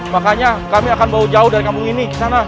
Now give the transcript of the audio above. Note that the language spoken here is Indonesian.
makanya kami akan bawa jauh dari kampung ini sana